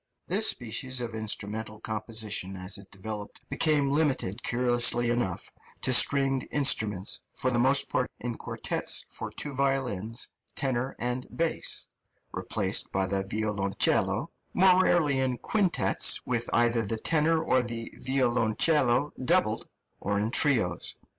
This species of instrumental composition as it developed became limited, curiously enough, to stringed instruments, for the most part in quartets for two violins, tenor, and bass (replaced by the violoncello), more rarely in quintets, with either the tenor or the violoncello doubled, or in trios.